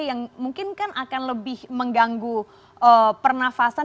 yang mungkin kan akan lebih mengganggu pernafasan